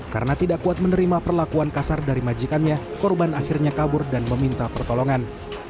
karena tidak kuat menerima perlakuan kasar dari majikannya korban akhirnya kabur dan meminta pertolongan